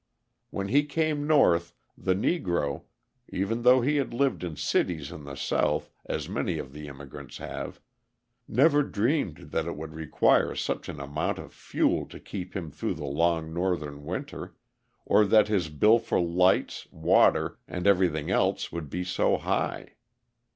When he came North the Negro (even though he had lived in cities in the South, as many of the immigrants have) never dreamed that it would require such an amount of fuel to keep him through the long Northern winter, or that his bill for lights, water, and everything else would be so high.